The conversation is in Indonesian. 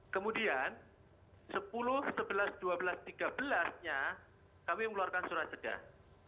kemudian sepuluh sebelas dua belas tiga belas nya kami mengeluarkan surat cegah